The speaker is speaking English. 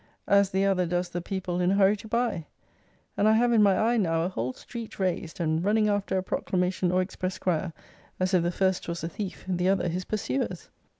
] as the other does the people in a hurry to buy. And I have in my eye now a whole street raised, and running after a proclamation or express crier, as if the first was a thief, the other his pursuers.